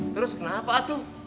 terus kenapa tuh